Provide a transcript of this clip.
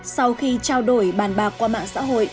sau khi trao đổi bàn bạc qua mạng xã hội